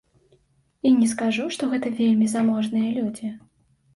І не скажу, што гэта вельмі заможныя людзі.